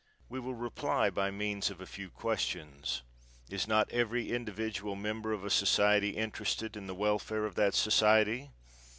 We will reply by means of a few questions. Is not every individual member of a society interested in the welfare of that society?